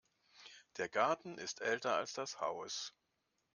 Der Garten ist älter als das Haus.